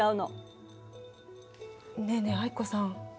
ねえねえ藍子さん。